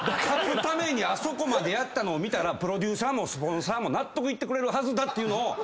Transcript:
勝つためにあそこまでやったのを見たらプロデューサーもスポンサーも納得いってくれるはずだっていうのを。